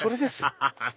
ハハハハ！